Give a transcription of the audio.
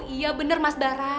iya bener mas bara